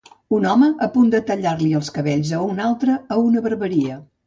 Un home a punt de tallar-li els cabells a un altre a una barberia.